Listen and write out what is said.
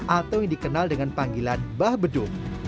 atau yang dikenal dengan panggilan mbah beduk